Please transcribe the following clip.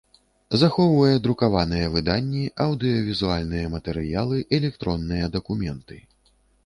Захоўвае друкаваныя выданні, аўдыёвізуальныя матэрыялы, электронныя дакументы.